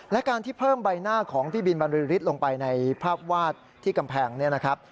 และการที่เพิ่มใบหน้าของพี่บินบรรลือฤทธิ์ลงไปในภาพวาดที่กำแพงเนี่ยนะครับ